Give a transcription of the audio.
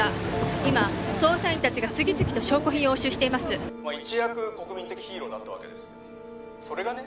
今捜査員達が次々と証拠品を押収しています一躍国民的ヒーローだったわけですそれがね